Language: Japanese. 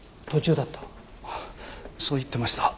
そう言ってました。